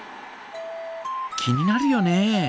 気になるよね。